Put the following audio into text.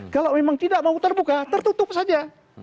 kalau memang tidak mau terbuka tertutup saja